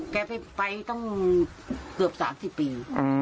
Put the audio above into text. แกไปตั้งเกือบ๓๐ปี